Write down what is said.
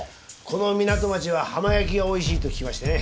この港町は浜焼きがおいしいと聞きましてね。